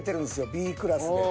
Ｂクラスで。